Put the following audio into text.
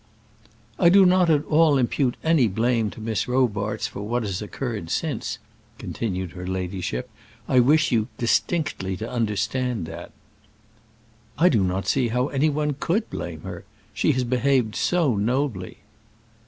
"I do not at all impute any blame to Miss Robarts for what has occurred since," continued her ladyship. "I wish you distinctly to understand that." "I do not see how any one could blame her. She has behaved so nobly."